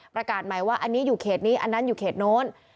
ประกาศใหม่ว่าอันนี้อยู่เขตนี้อันนั้นอยู่เขตโน้น